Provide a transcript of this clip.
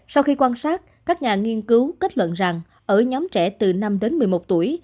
sau khi quan sát các nhà nghiên cứu kết luận rằng ở nhóm trẻ từ năm đến một mươi một tuổi